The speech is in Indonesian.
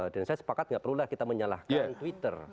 saya sepakat gak perlulah kita menyalahkan twitter